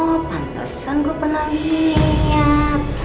oh pantesan gue pernah liat